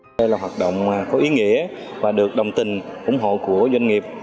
đây là hoạt động có ý nghĩa và được đồng tình ủng hộ của doanh nghiệp